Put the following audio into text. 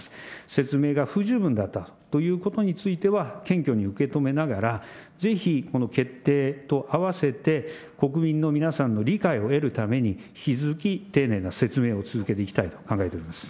説明が不十分だったということについては、謙虚に受け止めながら、ぜひ、この決定と合わせて、国民の皆さんの理解を得るために、引き続き丁寧な説明を続けていきたいと考えております。